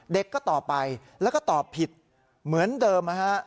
เด็กก็ตอบไปแล้วก็ตอบผิดเหมือนเดิมนะฮะ